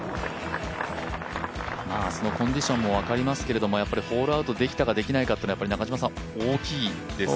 明日のコンディションも分かりますけど、ホールアウトできたかできないかは大きいですか？